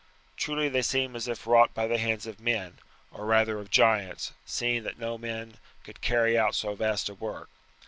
Truly they seem as if wrought by the hands of men, or rather of giants, seeing that no men could carry out so vast a work.